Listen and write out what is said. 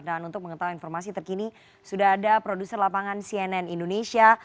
dan untuk mengetahui informasi terkini sudah ada produser lapangan cnn indonesia